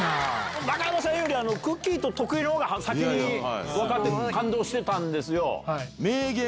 中山さんよりくっきー！と徳井が先に分かって感動してたんですよ。